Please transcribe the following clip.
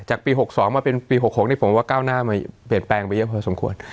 ปี๖๒มาเป็นปี๖๖นี่ผมว่าก้าวหน้ามาเปลี่ยนแปลงไปเยอะพอสมควร